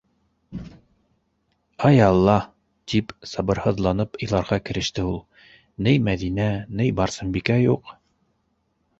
Ай алла! - тип сабырһыҙланып иларға кереште ул. - Ней Мәҙинә, ней Барсынбикә юҡ.